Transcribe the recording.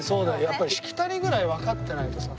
やっぱりしきたりぐらいわかってないとさ。